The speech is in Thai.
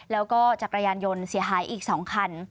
แล้วก็จักรยานยนต์เสียหายอีก๒คัน